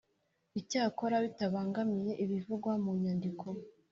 Icyakora bitabangamiye ibivugwa mu nyandiko